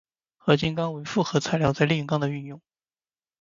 合金钢为复合材料在炼钢的运用。